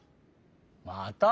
また？